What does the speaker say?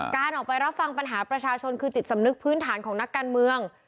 การออกไปรับฟังปัญหาประชาชนคือจิตสำนึกพื้นฐานของนักการเมือง